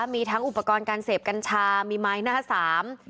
มีทั้งอุปกรณ์การเสพกัญชามีไม้หน้าสาม